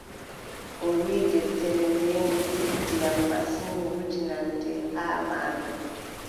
O wiʼi: deftere nde, nde teddi am masin mi wudinan nde haa maayo.